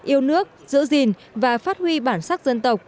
yêu nước giữ gìn và phát huy bản sắc dân tộc